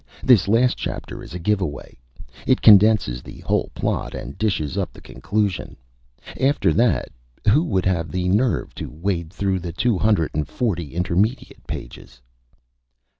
This last Chapter is a Give Away. It condenses the whole Plot and dishes up the Conclusion. After that, who would have the Nerve to wade through the Two Hundred and Forty intermediate Pages?